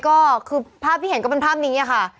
ก็คือภาพที่เห็นก็เป็นภาพนี้ค่ะ